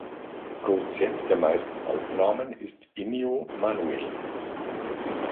Produzent der meisten Aufnahmen ist Ennio Manuel.